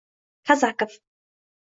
Kazakov